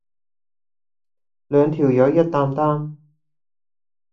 兩條友一擔擔